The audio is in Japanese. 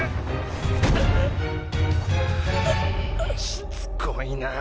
しつこいなぁ。